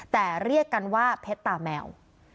แต่เรียกกันว่าเพชรตาแมว